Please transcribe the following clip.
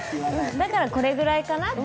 だからこれぐらいかなって。